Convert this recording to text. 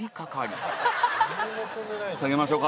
下げましょか。